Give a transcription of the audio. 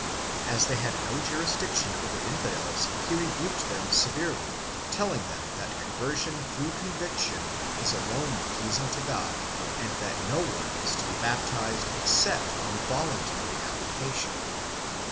As they had no jurisdiction over infidels, he rebuked them severely, telling them that conversion through conviction is alone pleasing to God and that no one is to be baptized except on voluntary application.